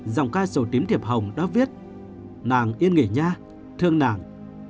dòng ca sổ tím thiệp hồng đã viết nàng yên nghỉ nha thương nàng